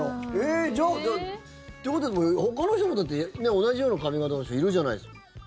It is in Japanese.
じゃあ、ということはほかの人も、だって同じような髪形の人いるじゃないですか。